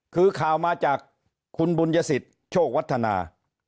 คือข่าวมาจากคุณบุญยสิทธิ์โชควัฒนา